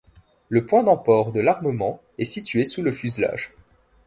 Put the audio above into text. Le point d'emport de l'armement est situé sous le fuselage.